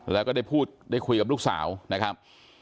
แล้วก็ได้พูดได้คุยกับลูกสาวนะครับ